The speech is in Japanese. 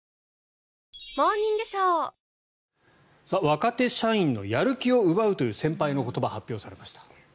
若手社員のやる気を奪うという先輩の言葉が発表されました。